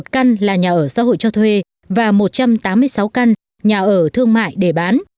ba trăm linh một căn là nhà ở xã hội cho thuê và một trăm tám mươi sáu căn nhà ở thương mại để bán